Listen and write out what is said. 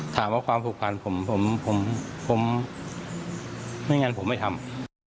ถามว่าความผูกพันผมผมไม่งั้นผมไม่ทำ